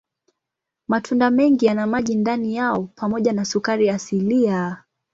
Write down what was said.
Matunda mengi yana maji ndani yao pamoja na sukari asilia.